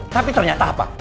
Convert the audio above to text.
tapi ternyata apa